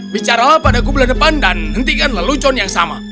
bicaralah pada kubulan depan dan hentikanlah lucon yang sama